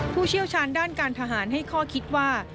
ผู้เชี่ยวชาญด้านการทหารให้ข้อคิดว่า